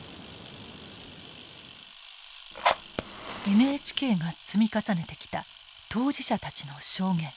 ＮＨＫが積み重ねてきた当事者たちの証言。